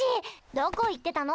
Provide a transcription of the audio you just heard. どこ行ってたの？